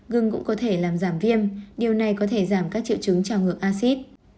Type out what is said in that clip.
gương cũng có thể làm giảm viêm điều này có thể giảm các triệu chứng trào ngược acid